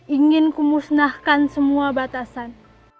ingin kumusnahkan semua batasan